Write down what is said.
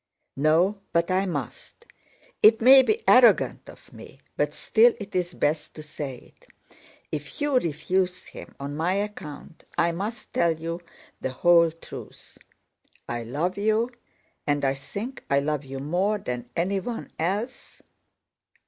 "No, but I must. It may be arrogant of me, but still it is best to say it. If you refuse him on my account, I must tell you the whole truth. I love you, and I think I love you more than anyone else...."